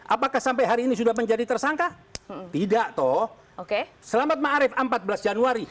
dua ribu delapan belas apakah sampai hari ini sudah menjadi tersangka tidak toh oke selamat ma'rif empat belas januari